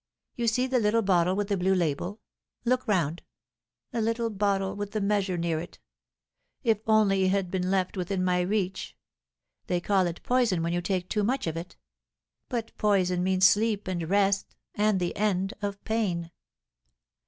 You see the little bottle with the blue label; look round; the little bottle with the measure near it. If only it had been left within my reach! They call it poison when you take too much of it; but poison means sleep and rest and the end of pain."